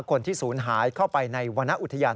คนที่ศูนย์หายเข้าไปในวรรณอุทยาน